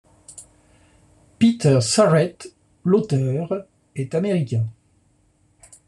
Peter Sarrett, l'auteur, est américain.